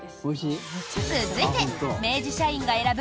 続いて明治社員が選ぶ